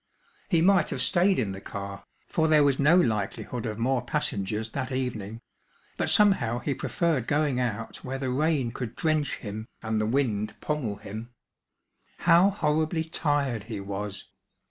He might have stayed in the car, for there was no likelihood of more passengers that evening, but somehow he preferred going out where the rain could drench him and the wind pommel him. How horribly tired he was!